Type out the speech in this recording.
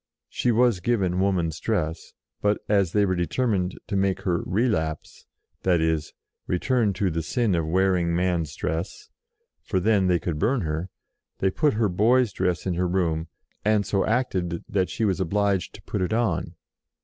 She was given woman's dress; but, as they were determined to make her "relapse," that is, return to the sin of wearing man's dress, for then they could burn her, they put her boy's dress in her room, and so acted that she was obliged to put it on.